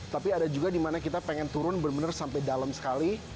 tapi ada juga dimana kita pengen turun benar benar sampai dalam sekali